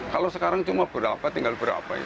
kalau sekarang cuma berapa tinggal berapa